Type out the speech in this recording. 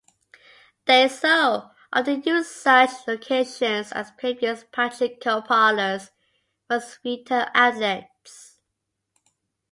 Daiso often uses such locations as previous pachinko parlours for its retail outlets.